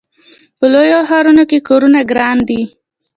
په لویو ښارونو کې کورونه ګران دي.